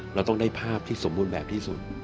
เราต้องได้ภาพที่สมบูรณ์แบบที่สุด